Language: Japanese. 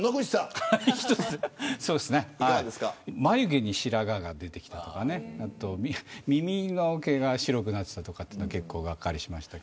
眉毛に白髪が出てきたとかね耳の毛が白くなっていたというのが結構がっかりしました。